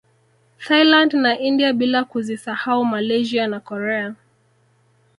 Thailand na India bila kuzisahau Malaysia na Korea